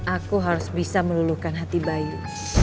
aku harus bisa meluluhkan hati bayu